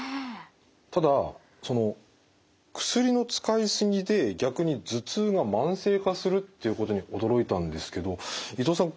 ただその薬の使い過ぎで逆に頭痛が慢性化するっていうことに驚いたんですけど伊藤さん